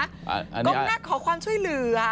กบหน้าขอความช่วยเหลือ